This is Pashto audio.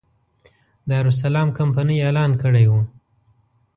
دارالسلام کمپنۍ اعلان کړی و.